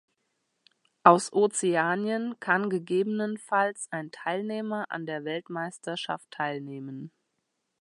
Aus Ozeanien kann gegebenenfalls ein Teilnehmer an der Weltmeisterschaft teilnehmen.